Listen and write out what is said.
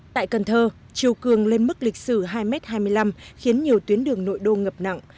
tại cần thơ chiều cường lên mức lịch sử hai mươi năm khiến nhiều tuyến đường nội đô ngập nặng